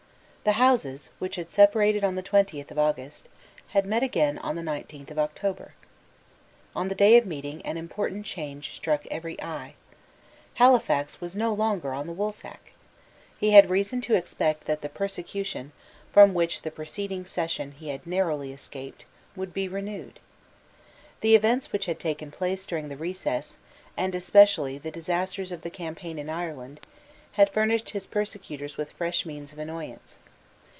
The Houses, which had separated on the twentieth of August, had met again on the nineteenth of October. On the day of meeting an important change struck every eye. Halifax was no longer on the woolsack. He had reason to expect that the persecution, from which in the preceding session he had narrowly escaped, would be renewed. The events which had taken place during the recess, and especially the disasters of the campaign in Ireland, had furnished his persecutors with fresh means of annoyance.